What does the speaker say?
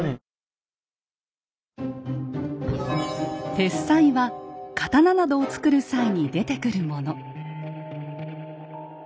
鉄滓は刀などを作る際に出てくるもの。